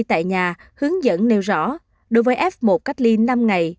tại nhà hướng dẫn nêu rõ đối với f một cách ly năm ngày